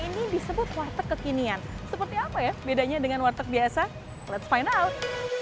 ini disebut warteg kekinian seperti apa ya bedanya dengan warteg biasa let's find out